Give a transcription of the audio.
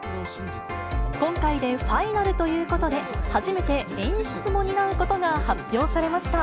今回でＦＩＮＡＬということで、初めて演出も担うことが発表されました。